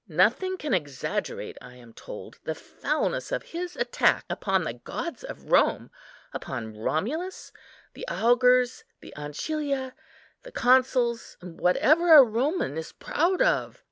Nothing can exaggerate, I am told, the foulness of his attack upon the gods of Rome, upon Romulus, the Augurs, the Ancilia, the consuls, and whatever a Roman is proud of.